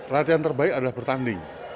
ratihan terbaik adalah pertanding